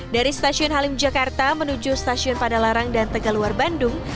dari stasiun halim jakarta menuju stasiun padalarang dan tegaluar bandung